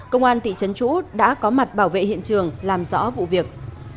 công an thị trấn chủ đã có mặt bảo vệ hiện trường làm rõ vụ việc